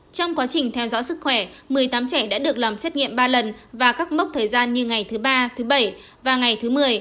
trong quá trình theo dõi sức khỏe một mươi tám trẻ đã được làm xét nghiệm ba lần và các mốc thời gian như ngày thứ ba thứ bảy và ngày thứ một mươi